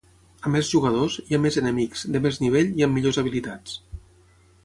A més jugadors, hi ha més enemics, de més nivell i amb millors habilitats.